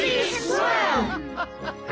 ワハハハハ！